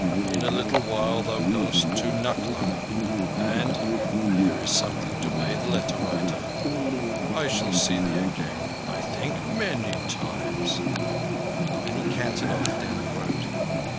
In a little while thou goest to Nucklao, and—here is something to pay the letter writer. I shall see thee again, I think, many times," and he cantered off down the road.